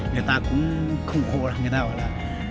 người ta cũng khủng khộ là người ta gọi là